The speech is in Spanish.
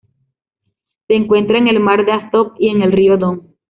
Se encuentra en el Mar de Azov y en el río Don.